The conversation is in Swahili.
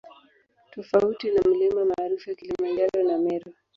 Tofauti na milima maarufu ya Kilimanjaro na Meru